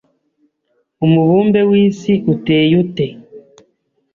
Umubumbe w'isi uteye ute